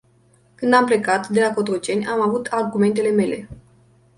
Când am plecat de la Cotroceni, am avut argumentele mele.